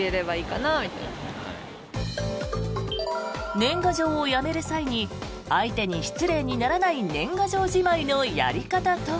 年賀状をやめる際に相手に失礼にならない年賀状じまいのやり方とは。